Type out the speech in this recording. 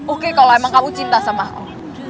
oke kalau emang kamu cinta sama aku